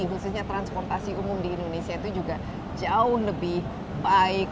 khususnya transportasi umum di indonesia itu juga jauh lebih baik